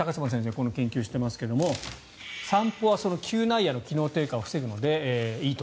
この研究をしていますが散歩は嗅内野の機能低下を防ぐのでいいと。